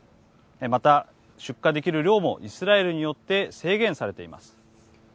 また、出荷できる量もイスラエルによって制限されています。